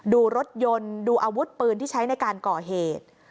ดูรถยนต์ดูอาวุธปืนที่ใช้ในการก่อเหตุ